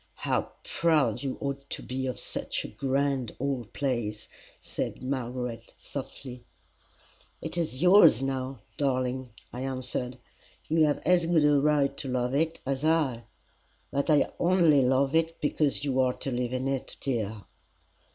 "How proud you ought to be of such a grand old place!" said Margaret, softly. "It is yours now, darling," I answered. "You have as good a right to love it as I but I only love it because you are to live in it, dear."